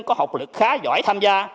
có học lực khá giỏi tham gia